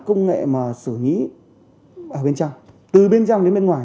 công nghệ mà sử nghĩ ở bên trong từ bên trong đến bên ngoài